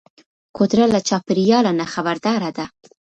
کوتره له چاپېریاله نه خبرداره ده.